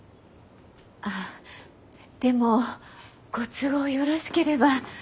あでもご都合よろしければ。